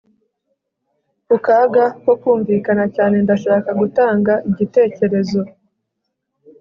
ku kaga ko kumvikana cyane, ndashaka gutanga igitekerezo